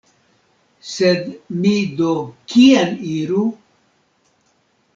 Sed mi do kien iru?